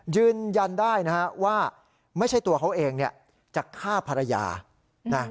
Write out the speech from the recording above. ยืนยันได้นะฮะว่าไม่ใช่ตัวเขาเองเนี่ยจะฆ่าภรรยานะ